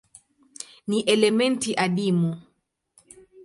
Ni elementi adimu.